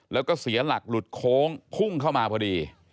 แล้วก็เสียหลักหลุดโค้งพุ่งเข้ามาพอดี